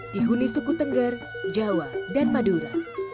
dihuni suku tengger jawa dan madura